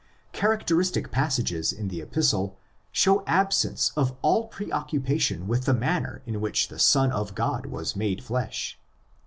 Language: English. Character istic passages in the Epistle show absence of all preoccupation with the manner in which the Son of God was made flesh.